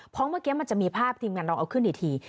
เพราะเมื่อกี้มันจะมีภาพทีมงานลองเอาขึ้นอีกที